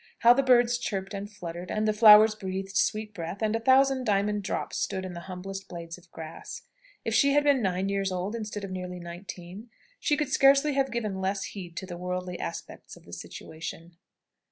How the birds chirped and fluttered, and the flowers breathed sweet breath, and a thousand diamond drops stood on the humblest blades of grass! If she had been nine years old, instead of nearly nineteen, she could scarcely have given less heed to the worldly aspects of the situation.